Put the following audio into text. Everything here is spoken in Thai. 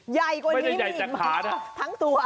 ใหญ่กว่านี้มีมากทั้งตัว